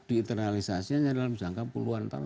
di internalisasinya dalam jangka puluhan tahun